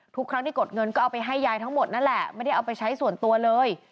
ทุกครั้งที่กดเงินก็เอาไปให้ยายทั้งหมดนั่นแหละไม่ได้เอาไปใช้ส่วนตัวเลย